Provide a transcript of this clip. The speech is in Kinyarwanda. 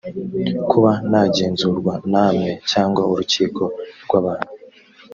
kuba nagenzurwa namwe cyangwa urukiko rw abantu